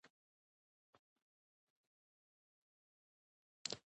کلیمه د مانا انتقال کوي.